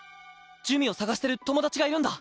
珠魅を捜してる友達がいるんだ。